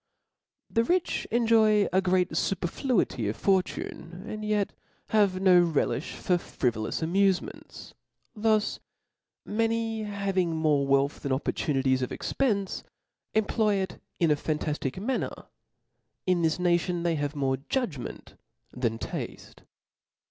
The rich enjoy a great faperfl«ity of fortune, and yet have no relifli for frivolous amufements : thus many having more wealth than opportunities of expence, employ it in a fantaftical manner : in this nation they have more judgment than tafte.